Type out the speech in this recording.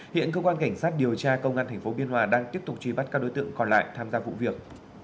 hiện cơ quan cảnh sát điều tra công an tp biên hòa đang tiếp tục truy bắt các đối tượng còn lại tham gia vụ việc